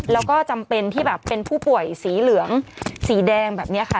แล้วก็จำเป็นที่แบบเป็นผู้ป่วยสีเหลืองสีแดงแบบนี้ค่ะ